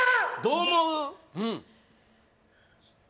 どう思う？